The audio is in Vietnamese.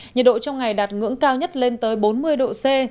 nhiệt độ trong ngày đạt ngưỡng cao nhất lên tới bốn mươi độ c